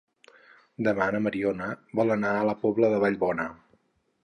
Demà na Mariona vol anar a la Pobla de Vallbona.